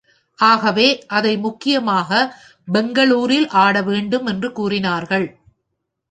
ஆகவே அதை முக்கியமாகப் பெங்களூரில் ஆடவேண்டும் என்று கூறினார்கள்.